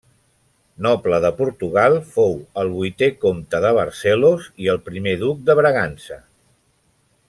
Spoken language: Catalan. Noble de Portugal, fou el vuitè comte de Barcelos i el primer Duc de Bragança.